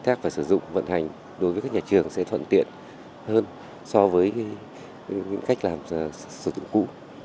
thác và sử dụng vận hành đối với các nhà trường sẽ thuận tiện hơn so với những cách làm sử dụng cũ